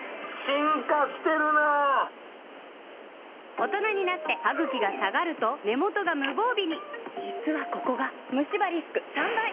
大人になってハグキが下がると根元が無防備に実はここがムシ歯リスク３倍！